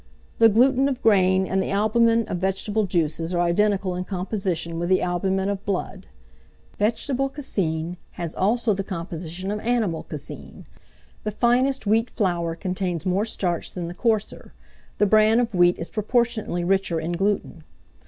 The gluten of grain and the albumen of vegetable juices are identical in composition with the albumen of blood. Vegetable caseine has also the composition of animal caseine. The finest wheat flour contains more starch than the coarser; the bran of wheat is proportionably richer in gluten.